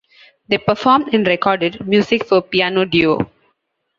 They performed and recorded music for piano duo.